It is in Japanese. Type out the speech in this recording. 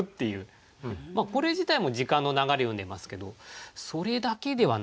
これ自体も時間の流れを詠んでますけどそれだけではなくてですね